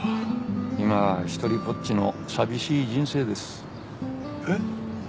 今は一人ぽっちの寂しい人生です。え？